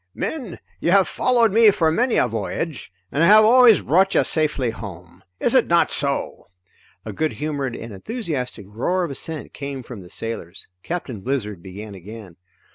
"Men, you have followed me for many a voyage and I have always brought you safely home. Is it not so?" A good humored and enthusiastic roar of assent came from the sailors. Captain Blizzard began again.